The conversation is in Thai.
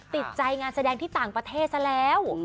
ติดใจงานแสดงที่ต่างประเทศซะแล้ว